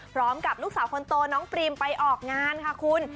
พร้อมกับลูกสาวคนโตน้องฟรีมไปออกงานค่ะคุณ